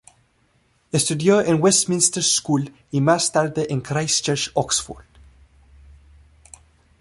Estudió en Westminster School y más tarde en Christ Church, Oxford.